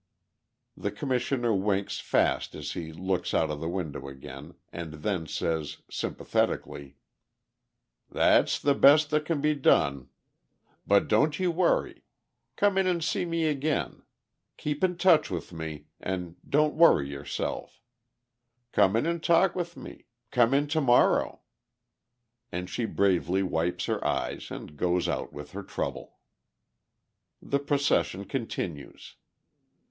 The Commissioner winks fast as he looks out of the window again, and then says, sympathetically: "That's the best that can be done. But don't you worry. Come in and see me again. Keep in touch with me, and don't worry yourself. Come in and talk with me—come in to morrow." And she bravely wipes her eyes and goes out with her trouble. The procession continues.